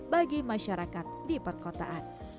bagi masyarakat di perkotaan